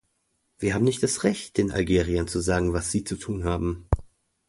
Wir haben nicht das Recht, den Algeriern zu sagen, was sie zu tun haben.